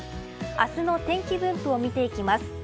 明日の天気分布を見ていきます。